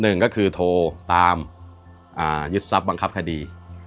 หนึ่งก็คือโทรตามยึดทรัพย์บังคับคดี